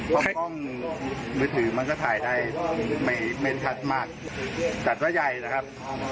เพราะกล้องมือถือมันก็ถ่ายได้ไม่ชัดมากจัดว่าใหญ่นะครับ